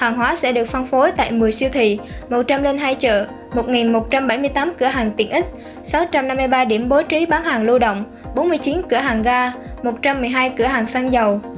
hàng hóa sẽ được phân phối tại một mươi siêu thị một trăm linh hai chợ một một trăm bảy mươi tám cửa hàng tiện ích sáu trăm năm mươi ba điểm bố trí bán hàng lưu động bốn mươi chín cửa hàng ga một trăm một mươi hai cửa hàng xăng dầu